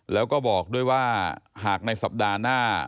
แล้วก็บอกด้วยว่าหากในสัปดาห์หน้า